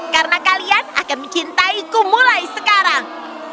karena kalian akan mencintaiku mulai sekarang